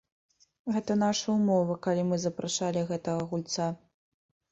Гэта наша ўмова, калі мы запрашалі гэтага гульца.